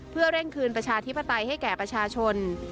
เพื่อเร่งคืนประชาธิปไตยให้แก่ประชาชน